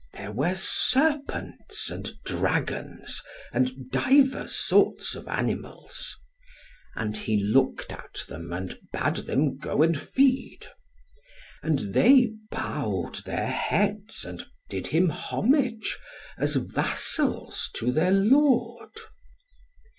There were serpents, and dragons, and divers sorts of animals. And he looked at them, and bade them go and feed. And they bowed their heads, and did him homage, as vassals to their lord.